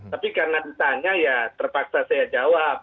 tapi karena ditanya ya terpaksa saya jawab